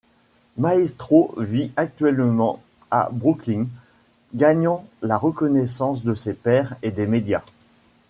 Maestro vit actuellement à Brooklyn, gagnant la reconnaissance de ses pairs et des médias.